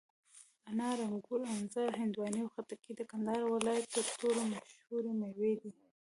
انار، انګور، انځر، هندواڼې او خټکي د کندهار ولایت تر ټولو مشهوري مېوې دي.